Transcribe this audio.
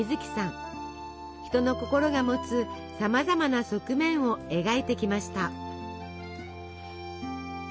人の心が持つさまざまな側面を描いてきました。